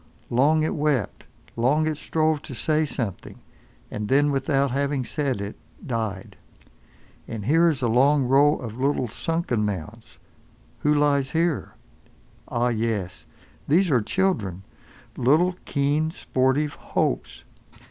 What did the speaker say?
Long it wept, long it strove to say something, and then without having said it—died. And here is a long row of little sunken mounds. Who lies here? Ah! yes. These are children. Little, keen, sportive Hopes.